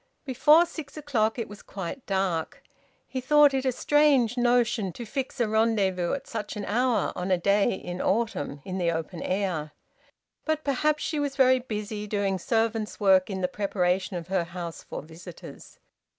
Before six o'clock it was quite dark. He thought it a strange notion, to fix a rendezvous at such an hour, on a day in autumn, in the open air. But perhaps she was very busy, doing servant's work in the preparation of her house for visitors.